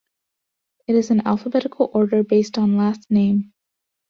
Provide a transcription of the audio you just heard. It is in alphabetical order based on last name.